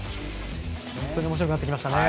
本当におもしろくなってきましたね。